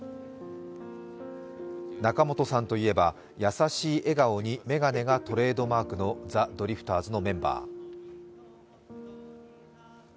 仲本さんといえば優しい笑顔に眼鏡がトレードマークのザ・ドリフターズのメンバー。